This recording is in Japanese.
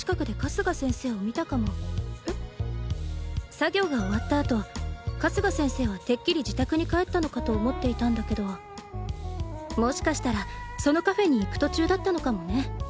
作業が終わった後春日先生はてっきり自宅に帰ったのかと思っていたんだけどもしかしたらそのカフェに行く途中だったのかもね。